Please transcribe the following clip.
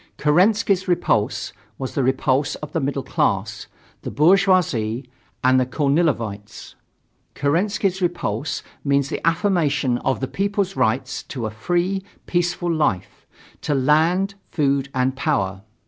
Kerensky's repulse was the repulse of the middle class, the bourgeoisie and the Kornilovites. Kerensky's repulse means the affirmation of the people's rights to a free, peaceful life, to land, food and power.